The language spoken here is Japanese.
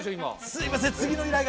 すいません。